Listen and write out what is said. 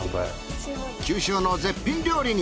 九州の絶品料理に。